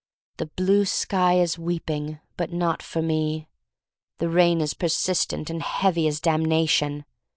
The blue sky is weeping, but not for me. The rain is persistent and heavy as damnation.